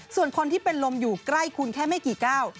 ส่วนคนที่เป็นลมอยู่ใกล้คุณแค่ไม่กี่ก้าว